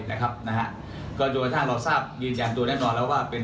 แล้วก็โดเลิกสร้าง